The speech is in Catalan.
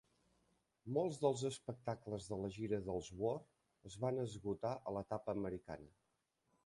Molts dels espectacles de la gira dels War es van esgotar a l'etapa americana.